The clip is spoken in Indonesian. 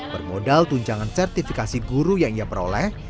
bermodal tunjangan sertifikasi guru yang ia peroleh